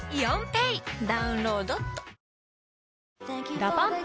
「ＤＡＰＵＭＰ」